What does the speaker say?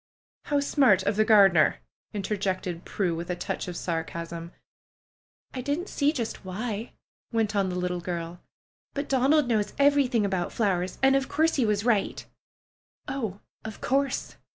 "How smart of the gardener !" interjected Prue, with a touch of sarcasm. "I didn't see just why," went on the little girl ; "but Donald knows everything about flowers, and of course he was right." "Oh, of course